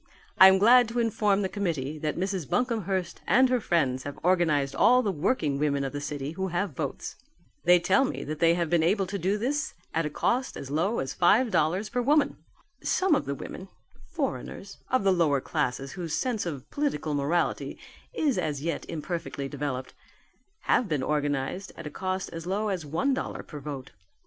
I am glad to inform the committee that Mrs. Buncomhearst and her friends have organized all the working women of the city who have votes. They tell me that they have been able to do this at a cost as low as five dollars per woman. Some of the women foreigners of the lower classes whose sense of political morality is as yet imperfectly developed have been organized at a cost as low as one dollar per vote.